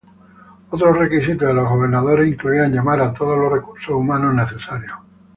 Otros requisitos de los gobernadores incluían llamar a todos los recursos humanos necesarios.